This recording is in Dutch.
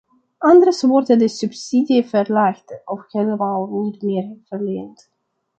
Anders wordt de subsidie verlaagd of helemaal niet meer verleend.